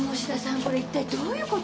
これ一体どういうこと！？